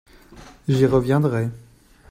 J’y reviendrai.